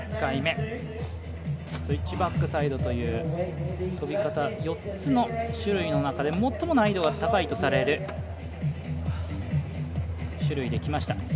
スイッチバックサイドという４つの種類の中で最も難易度が高いとされる種類できました。